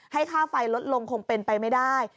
ค่าไฟลดลงคงเป็นไปไม่ได้